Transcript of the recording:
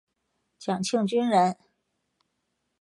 蒋庆均人。